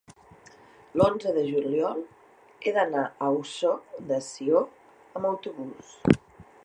l'onze de juliol he d'anar a Ossó de Sió amb autobús.